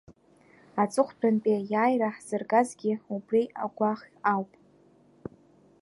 Аҵыхәтәантәи Аиааира ҳзыргазгьы убри агәаӷ ауп.